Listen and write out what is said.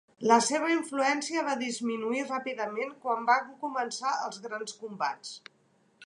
La seva influència va disminuir ràpidament quan van començar els grans combats.